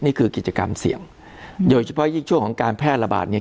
นี่คือกิจกรรมเสี่ยงโดยเฉพาะยิ่งช่วงของการแพร่ระบาดเนี่ย